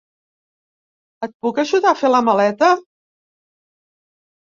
Et puc ajudar a fer la maleta?